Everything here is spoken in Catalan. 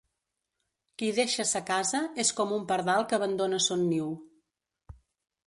Qui deixa sa casa és com un pardal que abandona son niu.